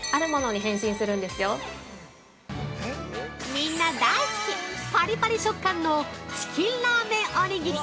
◆みんな大好き、パリパリ食感のチキンラーメンおにぎり！